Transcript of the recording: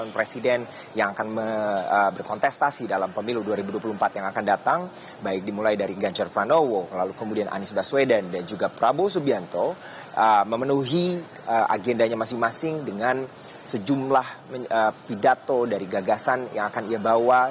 prabowo subianto memenuhi agendanya masing masing dengan sejumlah pidato dari gagasan yang akan ia bawa